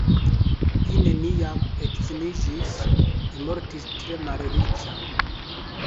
Li neniam edziniĝis, li mortis tre malriĉa.